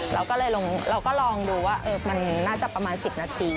เราก็เลยเราก็ลองดูว่ามันน่าจะประมาณ๑๐นาที